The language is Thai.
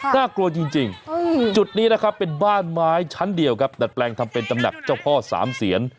น่ากลัวจริงจุดนี้นะครับเป็นบ้านไม้ชั้นเดียวครับดัดแปลงทำเป็นตำหนักเจ้าพ่อสามเสียน